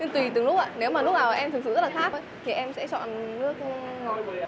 tùy từng lúc ạ nếu mà lúc nào em thực sự rất là khác thì em sẽ chọn nước ngọt